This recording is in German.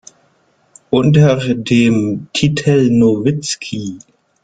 Unter dem Titel "Nowitzki.